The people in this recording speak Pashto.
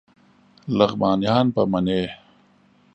لغمانیان به منی